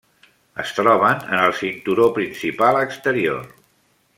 Es troben en el cinturó principal exterior.